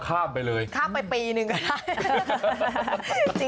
ขายไปปีนึงก็ได้